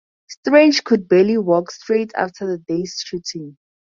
Strange could barely walk straight after the day's shooting.